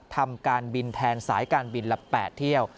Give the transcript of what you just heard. ทำการบินแทนสายการบินละ๘เที่ยว